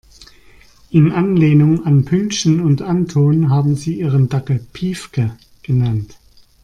In Anlehnung an Pünktchen und Anton haben sie ihren Dackel Piefke genannt.